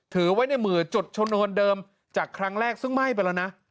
ถือไว้ในมือจุดชนวนเดิมจากครั้งแรกซึ่งไหม้ไปแล้วนะ